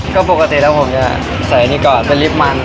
ก็ปกตินะครับผมใช้อันนี้ก่อนเป็นลิฟต์มัน